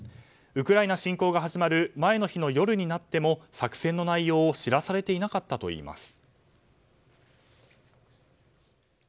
ウクライナ侵攻が始まる前の日の夜になっても作戦の内容を知らされていなかったといいます。